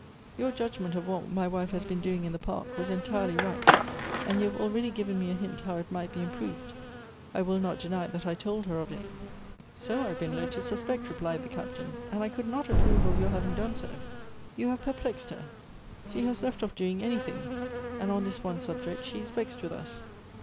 Your judgment of what my wife has been doing in the park was entirely right; and you have already given me a hint how it might be improved. I will not deny th.at I told her of it. " So I have been led to suspect," replied the Captain ;" and I could not approve of your having done so. You have perplexed her. She has left ofi" doing anything ; and on this one subject she is vexed with us.